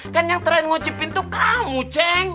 kan yang terakhir ngunci pintu kamu ceng